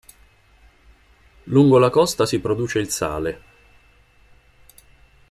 Lungo la costa si produce il sale.